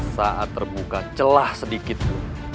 saat terbuka celah sedikitku